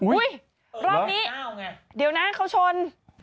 รอบนี้เดี๋ยวนะเขาชน